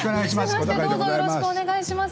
初めましてどうぞよろしくお願いします。